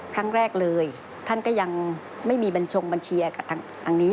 ครั้งแรกเลยท่านก็ยังไม่มีบัญชงบัญชีกับทางนี้